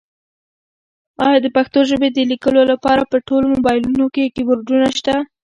ایا د پښتو ژبې د لیکلو لپاره په ټولو مبایلونو کې کیبورډونه شته؟